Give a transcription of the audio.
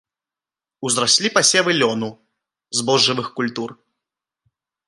Узраслі пасевы лёну, збожжавых культур.